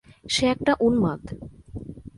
সে একটা উম্মাদ!